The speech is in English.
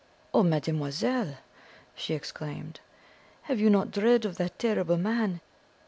"Oh, mademoiselle," she exclaimed, "have you not dread of that terrible man?